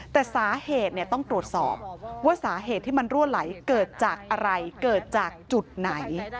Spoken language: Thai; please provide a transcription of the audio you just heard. แต่สาเหตุต้องตรวจสอบว่าสาเหตุที่มันรั่วไหลเกิดจากอะไรเกิดจากจุดไหน